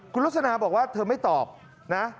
คุณลสนาบอกว่าเธอไม่ตอบนะ